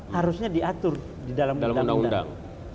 harusnya diatur di dalam undang undang